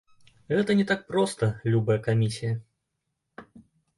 Гэта не так проста, любая камісія.